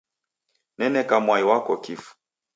Naneka mwai wako kifu.